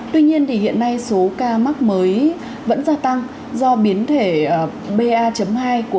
tuy nhiên hiện nay số ca mắc mới vẫn gia tăng do biến thể ba hai của biến chủ